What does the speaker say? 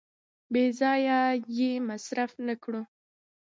بې ځایه یې مصرف نه کړو.